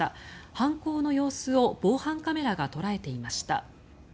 犯行の様子を防犯カメラが捉えていました。